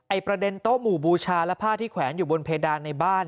ประเด็นโต๊ะหมู่บูชาและผ้าที่แขวนอยู่บนเพดานในบ้าน